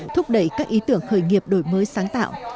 thúc đẩy các ý tưởng khởi nghiệp đổi mới sáng tạo